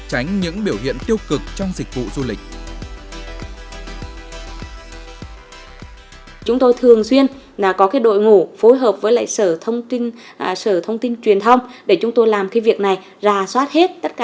tránh những biểu hiện tiêu cực trong dịch vụ du lịch